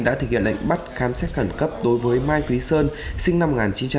đã thực hiện lệnh bắt khám xét khẩn cấp đối với mai quý sơn sinh năm một nghìn chín trăm tám mươi